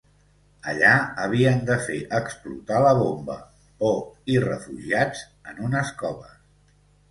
Allà havien de fer explotar la bomba, bo i refugiats en unes coves.